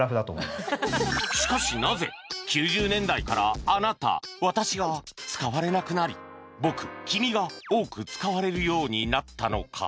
しかしなぜ９０年代から「あなた」「私」が使われなくなり「僕」「君」が多く使われるようになったのか？